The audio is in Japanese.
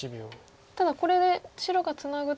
ただこれで白がツナぐと。